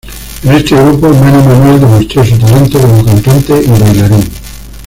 En este grupo, Manny Manuel demostró su talento como cantante y bailarín.